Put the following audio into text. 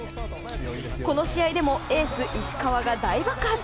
この試合でもエース石川が大爆発。